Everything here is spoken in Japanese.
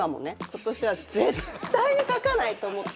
今年は絶対にかかない！と思って。